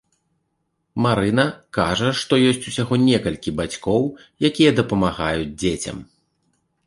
Марына кажа, што ёсць усяго некалькі бацькоў, якія дапамагаюць дзецям.